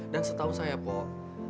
dan setahu saya pok